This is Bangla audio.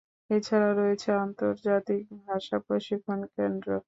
এছাড়া রয়েছে একটি আন্তর্জাতিক ভাষা প্রশিক্ষণ কেন্দ্র রয়েছে।